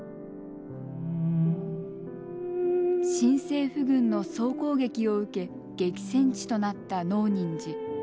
新政府軍の総攻撃を受け激戦地となった能仁寺。